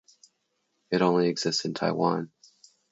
It only exists in Taiwan.